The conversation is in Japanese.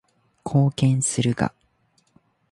貢献するが